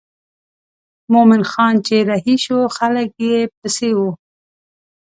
مومن خان چې رهي شو خلک یې پسې وو.